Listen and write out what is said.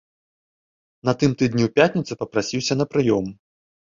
На тым тыдні ў пятніцу папрасіўся на прыём.